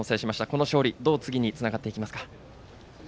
この勝利どう次につながっていきますか？